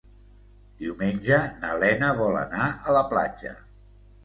Diumenge na Lena vol anar a la platja.